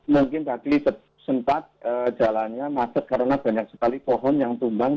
mungkin pak yuli sempat jalannya matet karena banyak sekali pohon yang tumbang